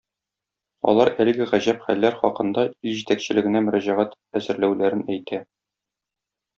Алар әлеге гаҗәп хәлләр хакында ил җитәкчелегенә мөрәҗәгать әзерләүләрен әйтә.